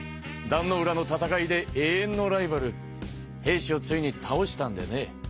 壇ノ浦の戦いで永遠のライバル平氏をついにたおしたんでね。